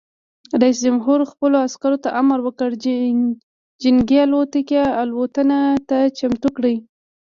رئیس جمهور خپلو عسکرو ته امر وکړ؛ جنګي الوتکې الوتنې ته چمتو کړئ!